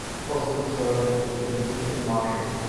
Postal Service befindet sich in Marshall.